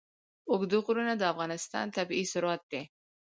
اوږده غرونه د افغانستان طبعي ثروت دی.